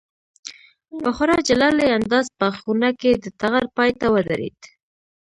په خورا جلالي انداز په خونه کې د ټغر پای ته ودرېد.